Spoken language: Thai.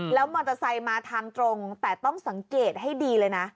แล้วมอเตอร์ไซค์มาทางตรงแต่ต้องสังเกตให้ดีเลยนะ